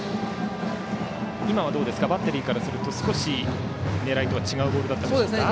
今はバッテリーからすると少し狙いとは違うボールですか。